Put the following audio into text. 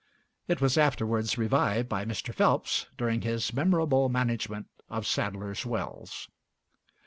It was afterwards revived by Mr. Phelps, during his "memorable management" of Sadlers' Wells.